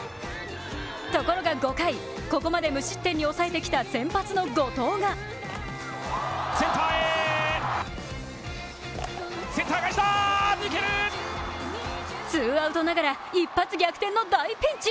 ところが５回、ここまで無失点に抑えてきた先発の後藤がツーアウトながら一発逆転の大ピンチ。